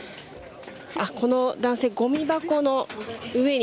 この男性は、ごみ箱の上に。